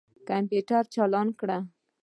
کمپیوټر چالان کړه.